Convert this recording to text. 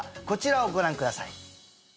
こちらをご覧ください